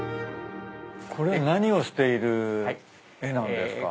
これ何をしている絵なんですか？